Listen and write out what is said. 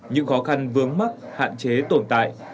những khó khăn vướng mắc hạn chế tồn tại